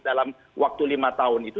dalam waktu lima tahun itu